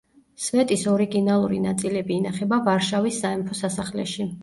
სვეტის ორიგინალური ნაწილები ინახება ვარშავის სამეფო სასახლეში.